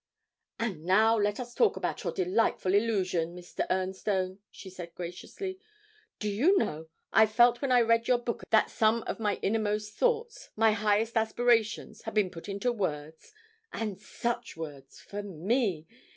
'And now let us talk about your delightful "Illusion," Mr. Ernstone,' she said graciously. 'Do you know, I felt when I read your book that some of my innermost thoughts, my highest aspirations, had been put into words and such words for me!